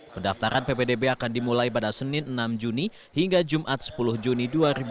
pendaftaran ppdb akan dimulai pada senin enam juni hingga jumat sepuluh juni dua ribu dua puluh